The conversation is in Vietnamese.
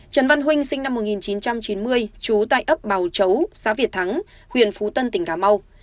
trần văn huynh sinh năm một nghìn chín trăm chín mươi chú tại ấp bào chấu xã việt thắng huyện phú tân tỉnh cà mau